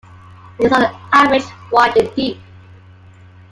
It is on average wide and deep.